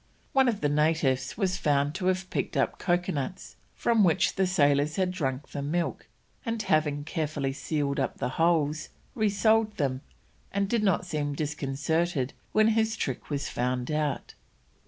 One of the natives was found to have picked up coconuts from which the sailors had drunk the milk, and having carefully sealed up the holes, resold them, and did not seem disconcerted when his trick was found out.